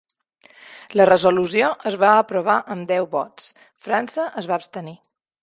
La resolució es va aprovar amb deu vots; França es va abstenir.